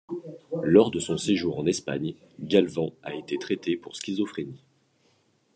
Lors de son séjour en Espagne, Galvan a été traité pour schizophrénie.